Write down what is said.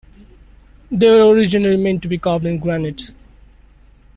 They were originally meant to be carved in granite.